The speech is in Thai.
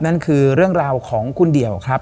นั่นคือเรื่องราวของคุณเดี่ยวครับ